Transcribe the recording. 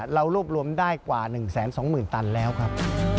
เรารวบรวมได้กว่า๑๒๐๐๐ตันแล้วครับ